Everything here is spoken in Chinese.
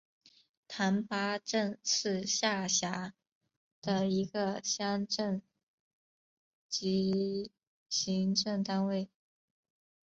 覃巴镇是下辖的一个乡镇级行政单位。